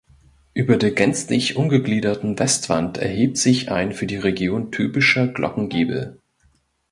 Über der gänzlich ungegliederten Westwand erhebt sich ein für die Region typischer Glockengiebel.